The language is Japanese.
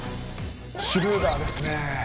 シュルーダーですね。